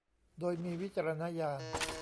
โดยมีวิจารณญาณ